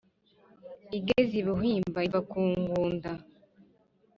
Igeze i Buhimba iva ku Ngunda"